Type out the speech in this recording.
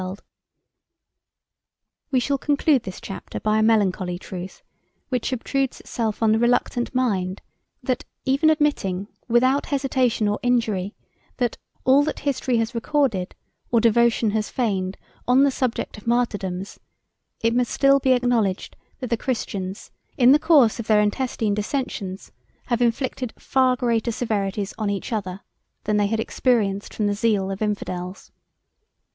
] We shall conclude this chapter by a melancholy truth, which obtrudes itself on the reluctant mind; that even admitting, without hesitation or inquiry, all that history has recorded, or devotion has feigned, on the subject of martyrdoms, it must still be acknowledged, that the Christians, in the course of their intestine dissensions, have inflicted far greater severities on each other, than they had experienced from the zeal of infidels.